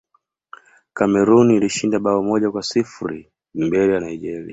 cameroon ilishinda bao moja kwa sifuri mbele ya nigeria